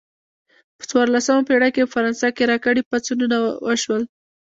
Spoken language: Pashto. په څوارلسمه پیړۍ کې په فرانسه کې راکري پاڅونونه وشول.